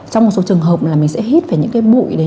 trong một số trường hợp là mình sẽ hít về những cái bụi đấy